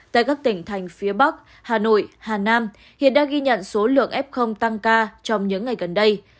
tại các tỉnh thành phía bắc hà nội hà nam hiện đang ghi nhận số lượng f tăng ca trong những ngày gần đây